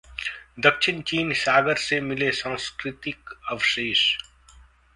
दक्षिण चीन सागर से मिले सांस्कृतिक अवशेष